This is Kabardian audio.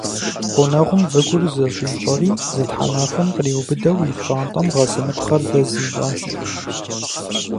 Гъунэгъум выгур зэщӀищӀэри зы тхьэмахуэм къриубыдэу и пщӀантӀэм гъэсыныпхъэр дэз ищӀащ.